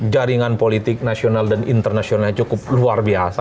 jaringan politik nasional dan internasional cukup luar biasa